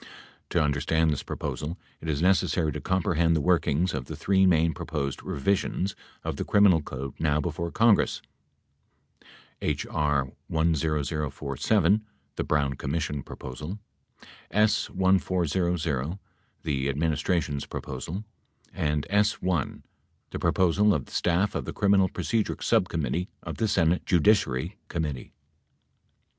To understand this proposal, it is necessary to comprehend the workings of the three main proposed revisions of the criminal code now before 'Congress — H.R. 10047 (the Brown Commis sion proposal) S. 1400 (the administration's proposal) and S. 1 (the proposal of the staff of the Criminal Procedure Subcommittee of the Senate Judiciary Committee)